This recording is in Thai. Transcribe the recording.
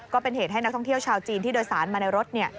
ก็เป็นเหตุให้นักท่องเที่ยวชาวจีนที่โดยสารมาในรถ